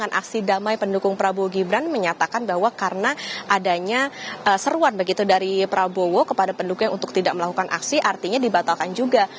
dan aksi damai pendukung prabowo gibran menyatakan bahwa karena adanya seruan begitu dari prabowo kepada pendukungnya untuk tidak melakukan aksi artinya dibatalkan juga